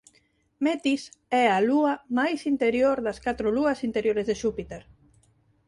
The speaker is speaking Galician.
Metis é a lúa máis interior das catro lúas interiores de Xúpiter.